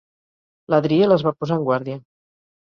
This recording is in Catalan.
L'Adriel es va posar en guàrdia.